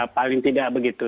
paling tidak begitu